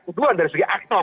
kedua dari segi aktor